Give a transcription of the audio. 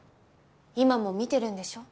今も見てるんでしょ？